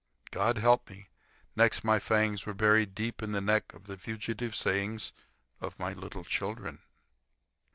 God help me! Next my fangs were buried deep in the neck of the fugitive sayings of my little children.